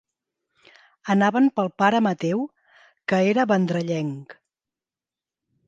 Anaven pel pare Mateu, que era vendrellenc.